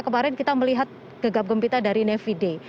kemarin kita melihat gegap gempita dari nevide